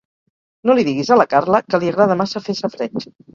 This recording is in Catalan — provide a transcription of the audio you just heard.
No li diguis a la Carla, que li agrada massa fer safareig.